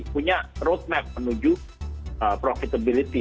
punya road map menuju profitability